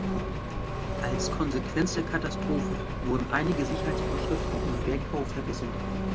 Als Konsequenz der Katastrophe wurden einige Sicherheitsvorschriften im Bergbau verbessert.